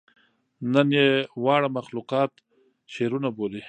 نن ئې واړه مخلوقات شعرونه بولي